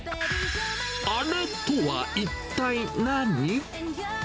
あれとは一体何？